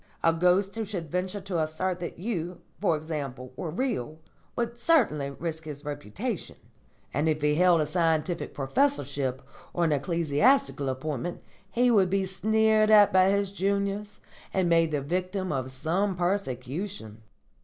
A ghost who should venture to assert that you, for example, were real would certainly risk his reputation, and if he held a scientific professorship or an ecclesiastical appointment he would be sneered at by his juniors and made the victim of some persecution.